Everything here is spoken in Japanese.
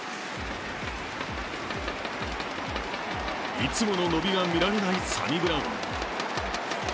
いつもの伸びがみられないサニブラウン。